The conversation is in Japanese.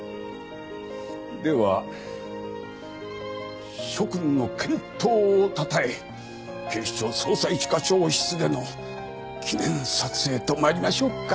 では諸君の健闘をたたえ警視庁捜査一課長室での記念撮影と参りましょうか。